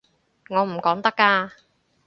我唔講得㗎